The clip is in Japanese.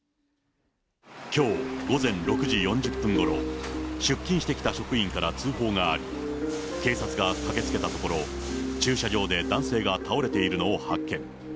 きょう午前６時４０分ごろ、出勤してきた職員から通報があり、警察が駆けつけたところ、駐車場で男性が倒れているのを発見。